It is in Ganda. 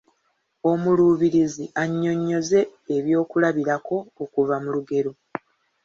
Omuluubirizi annyonnyoze ebyokulabirako okuva mu lugero.